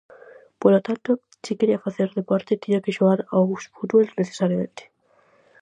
Polo tanto, si quería facer deporte tiña que xogar ao fútbol necesariamente.